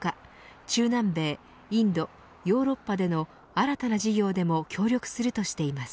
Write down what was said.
中南米、インド、ヨーロッパでの新たな事業でも協力するとしています。